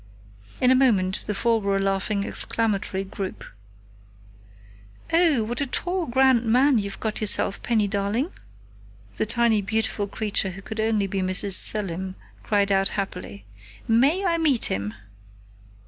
In a moment the four were a laughing, exclamatory group. "Oh, what a tall, grand man you've got yourself, Penny darling!" the tiny, beautiful creature who could only be Mrs. Selim cried out happily. "May I meet him?"